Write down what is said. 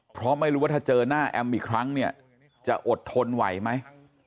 เพราะไม่รู้ว่าถ้าเจอหน้าแอมอีกครั้งเนี่ยจะอดทนไหวไหม